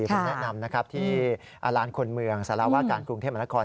ผมแนะนำที่ลานคนเมืองสารวาการกรุงเทพมหานคร